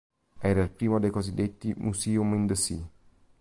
Era il primo dei cosiddetti "Museums in the Sea".